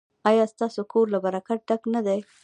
ایا ستاسو کور له برکت ډک نه دی؟